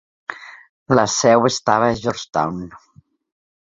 La seu estava a Georgetown.